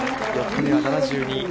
４日目は７２。